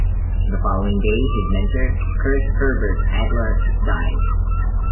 The following day his mentor, Kurt Herbert Adler, died.